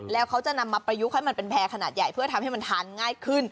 แล้วเขาจะนำมาประยุกต์ให้มันเป็นแพร่ขนาดใหญ่เพื่อทำให้มันทานง่ายขึ้น